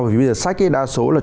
bởi vì bây giờ sách đa số là